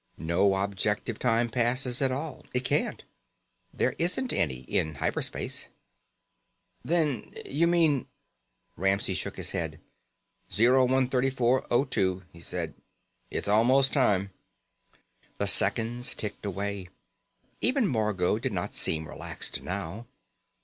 No objective time passes at all. It can't. There isn't any in hyper space." "Then you mean " Ramsey shook his head. "0134:02," he said. "It's almost time." The seconds ticked away. Even Margot did not seem relaxed now.